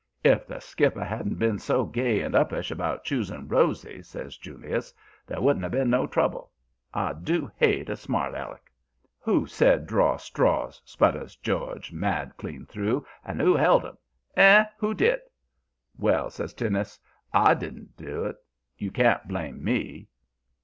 "'If the skipper hadn't been so gay and uppish about choosing Rosy,' says Julius, 'there wouldn't have been no trouble. I do hate a smart Aleck.' "'Who said draw straws?' sputters George, mad clean through. 'And who 'eld 'em? 'Ey? Who did?' "'Well,' says Teunis, 'I didn't do it. You can't blame me.'